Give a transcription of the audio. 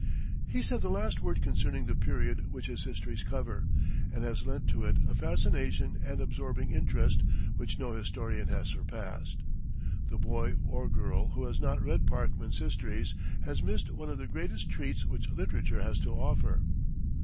He said the last word concerning the period which his histories cover, and has lent to it a fascination and absorbing interest which no historian has surpassed. The boy or girl who has not read Parkman's histories has missed one of the greatest treats which literature has to offer.